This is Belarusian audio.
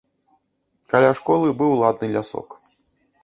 Каля школы быў ладны лясок.